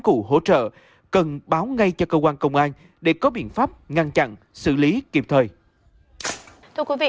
cụ hỗ trợ cần báo ngay cho cơ quan công an để có biện pháp ngăn chặn xử lý kịp thời thưa quý vị